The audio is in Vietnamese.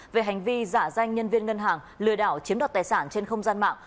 về hành vi giả danh nhân viên ngân hàng lừa đảo chiếm đoạt tài sản trên không gian mạng